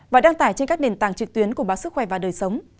và đăng tải trên các nền tảng trực tuyến của báo sức khỏe và đời sống